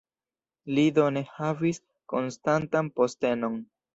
Li do ne havis konstantan postenon.